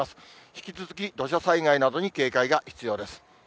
引き続き土砂災害などに警戒が必要です。